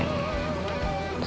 untuk memilih wanita lain